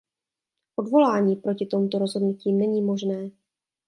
Odvolání proti tomuto rozhodnutí není možné.